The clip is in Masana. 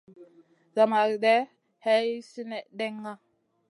Zamagé day hay sinèh ɗenŋa.